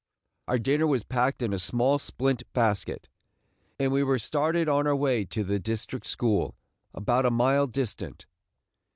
Our dinner was packed in a small splint basket, and we were started on our way to the district school, about a mile distant.